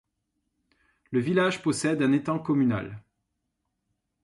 Le village possède un étang communal.